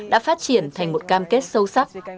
đã phát triển thành một cam kết sâu sắc